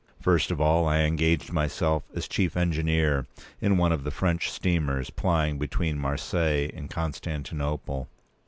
First of all I engaged myself as chief engineer in one of the French steamers plying between Marseilles and Constantinople.